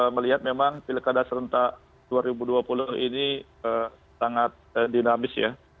melihat memang pilkada serentak dua ribu dua puluh ini sangat dinamis ya